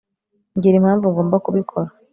mbwira impamvu ngomba kubikora